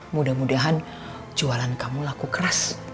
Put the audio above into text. mudah mudahan jualan kamu laku keras